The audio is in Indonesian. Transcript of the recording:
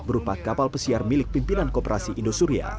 berupa kapal pesiar milik pimpinan kooperasi indosuria